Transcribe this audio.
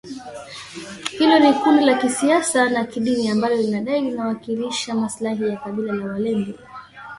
Hilo ni kundi la kisiasa na kidini ambalo linadai linawakilisha maslahi ya kabila la walendu